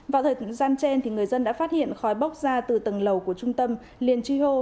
vào thời gian trên thì người dân đã phát hiện khói bốc ra từ tầng lầu của trung tâm liền chi hô